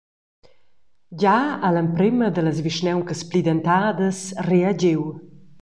Gia ha l’emprema dallas vischnauncas plidentadas reagiu.